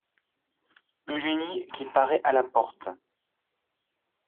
Eugénie qui paraît à la porte.